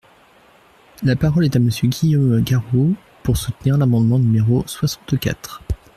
La parole est à Monsieur Guillaume Garot, pour soutenir l’amendement numéro soixante-quatre.